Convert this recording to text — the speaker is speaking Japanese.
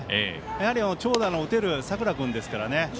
やはり長打の打てる佐倉君ですからね。